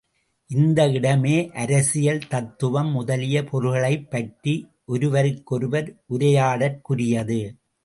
இந்த இடமே அரசியல், தத்துவம் முதலிய பொருள்களைப் பற்றி ஒருவருக்கொருவர் உரையாடற்குரியது.